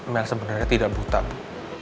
mel sebenernya tidak buta bu